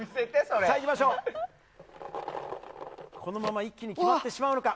このまま一気に決まってしまうのか。